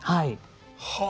はあ。